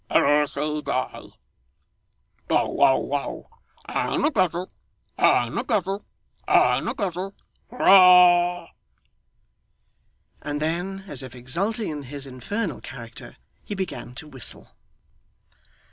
Never say die. Bow wow wow. I'm a devil, I'm a devil, I'm a devil. Hurrah!' And then, as if exulting in his infernal character, he began to whistle.